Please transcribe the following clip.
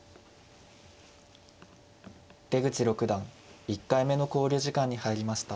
出口六段１回目の考慮時間に入りました。